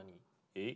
えっ？